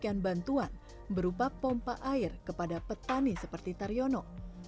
dan juga bantuan berupa pompa air kepada petani seperti taryono